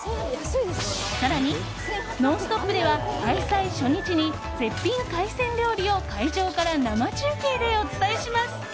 更に、「ノンストップ！」では開催初日に絶品海鮮料理を会場から生中継でお伝えします。